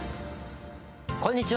こんにちは。